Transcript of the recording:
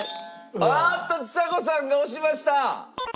あっとちさ子さんが押しました！